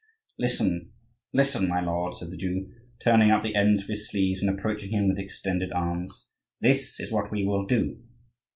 "Listen, listen, my lord!" said the Jew, turning up the ends of his sleeves, and approaching him with extended arms. "This is what we will do.